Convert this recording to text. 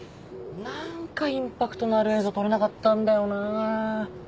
何かインパクトのある映像撮れなかったんだよな。